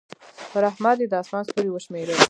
پر احمد يې د اسمان ستوري وشمېرل.